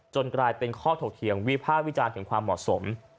กลายเป็นข้อถกเถียงวิภาควิจารณ์ถึงความเหมาะสม